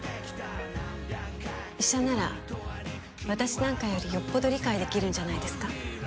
医者なら私なんかよりよっぽど理解できるんじゃないですか？